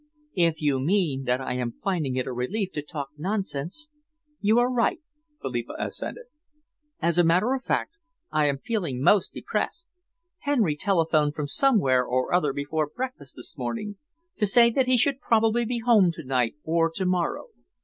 "If you mean that I am finding it a relief to talk nonsense, you are right," Philippa assented. "As a matter of fact, I am feeling most depressed. Henry telephoned from somewhere or other before breakfast this morning, to say that he should probably be home to night or to morrow.